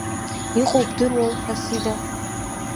Иҟоу бдыруоу, Асида?